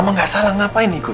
mama enggak salah ngapain ikut